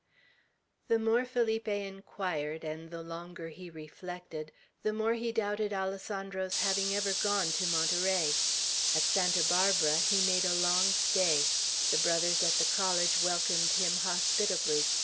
The more Felipe inquired, and the longer he reflected, the more he doubted Alessandro's having ever gone to Monterey. At Santa Barbara he made a long stay. The Brothers at the College welcomed him hospitably.